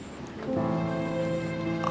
masjid yang tersebut